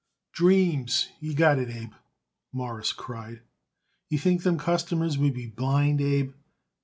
"Dreams you got it, Abe," Morris cried. "You think them customers would be blind, Abe?